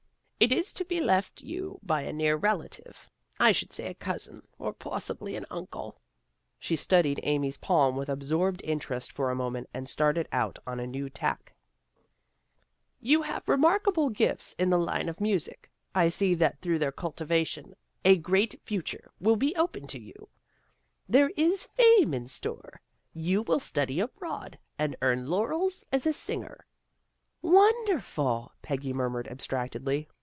It is to be left you by a near relative. I should say a cousin, or possibly an uncle." She studied Amy's palm with absorbed interest for a moment and started out on a new tack. 312 THE GIRLS OF FRIENDLY TERRACE " You have remarkable gifts in the line of music. I see that through their cultivation a great future will be open to you. There is fame hi store. You will study abroad, and earn laurels as a singer." " Wonderful! " Peggy murmured abstract edly.